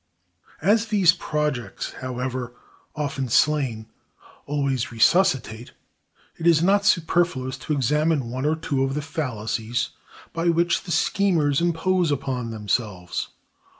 (248) As these projects, however often slain, always resuscitate, it is not superfluous to examine one or two of the fallacies by which the schemers impose upon themselves.